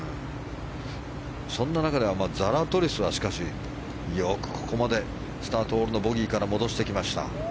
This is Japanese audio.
そんな中で、ザラトリスはしかし、よくここまでスタートホールのボギーから戻してきました。